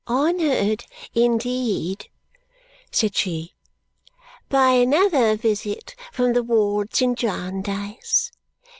"Honoured, indeed," said she, "by another visit from the wards in Jarndyce!